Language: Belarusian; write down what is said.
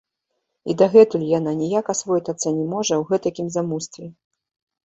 І дагэтуль яна ніяк асвойтацца не можа ў гэтакім замустве.